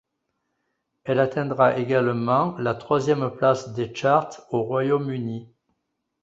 Elle atteindra également la troisième place des charts au Royaume-Uni.